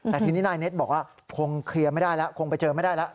แต่ทีนี้นายเน็ตบอกว่าคงเคลียร์ไม่ได้แล้วคงไปเจอไม่ได้แล้ว